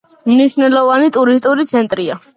მნიშვნელოვანი ტურისტული ცენტრია.